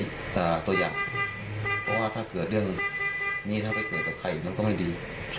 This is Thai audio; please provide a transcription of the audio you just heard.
ตัวอย่างเพราะว่าถ้าเกิดเรื่องนี้ถ้าไปเกิดกับใครมันก็ไม่ดี